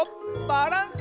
バランス！